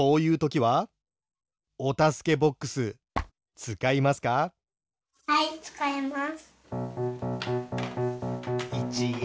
はいつかいます。